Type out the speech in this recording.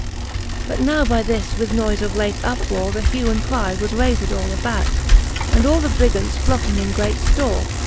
XLvr. But now by this, with noife of late uprore,, The hue and cry was rayfed all about ;. And all the Brigants flocking in great ftore.